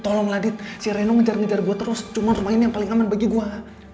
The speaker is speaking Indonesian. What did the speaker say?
tolong ladit si reno ngejar ngejar gue terus cuma rumah ini yang paling aman bagi gue